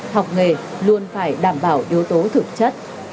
học nghề luôn phải đảm bảo yếu tố thực chất